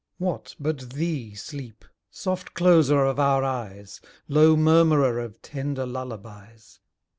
What, but thee Sleep? Soft closer of our eyes! Low murmurer of tender lullabies!